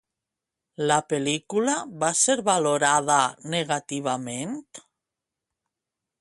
La pel·lícula va ser valorada negativament?